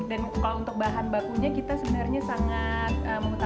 dan kalau untuk bahan bakunya kita sebenarnya sangat memusnahkan